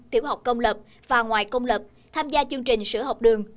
tiểu học công lập và ngoài công lập tham gia chương trình sữa học đường